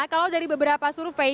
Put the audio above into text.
kalau dari beberapa survei